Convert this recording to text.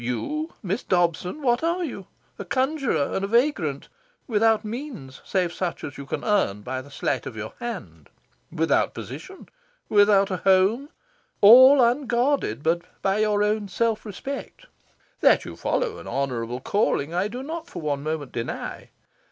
You, Miss Dobson, what are you? A conjurer, and a vagrant; without means, save such as you can earn by the sleight of your hand; without position; without a home; all unguarded but by your own self respect. That you follow an honourable calling, I do not for one moment deny.